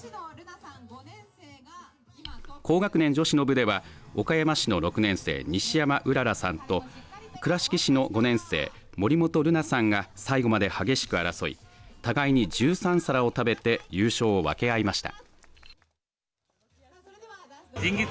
高学年女子の部では岡山市の６年生西山麗さんと倉敷市の５年生、森本瑠那さんが最後まで激しく争い互いに１３皿を食べて優勝を分け合いました。